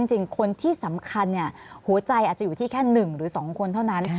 จริงคนที่สำคัญหัวใจอาจจะอยู่ที่แค่๑หรือ๒คนเท่านั้น